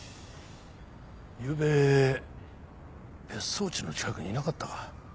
ゆうべ別荘地の近くにいなかったか？